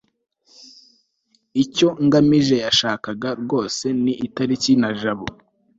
icyo ngamije yashakaga rwose ni itariki na jabo